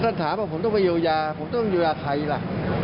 ถามว่าผมต้องไปเยียวยาผมต้องเยียวยาใครล่ะ